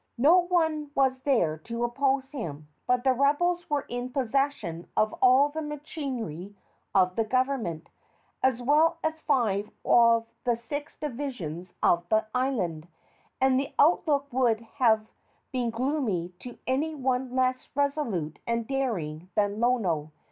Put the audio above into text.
No one was there to oppose him: but the rebels were in possession of all the machinery of the government, as well as five of the six divisions of the island, and the outlook would have been gloomy to any one less resolute and daring than Lono.